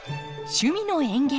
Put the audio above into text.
「趣味の園芸」